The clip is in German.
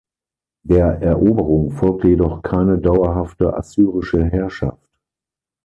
Der Eroberung folgte jedoch keine dauerhafte assyrische Herrschaft.